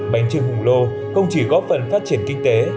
bánh chưng hùng lô không chỉ có phần phát triển kinh tế